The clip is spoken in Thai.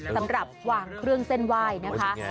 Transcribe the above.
สำหรับวางเครื่องเส้นไหว้นะคะ